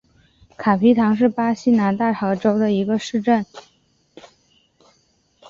卡皮唐是巴西南大河州的一个市镇。